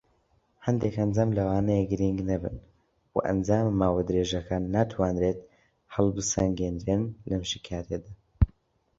هەندێک ئەنجام لەوانەیە گرینگ نەبن، و ئەنجامە ماوە درێژەکان ناتوانرێت هەڵبسەنگێندرێن لەم شیکاریەدا.